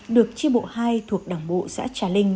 được tri bộ hai thuộc đảng bộ xã trà linh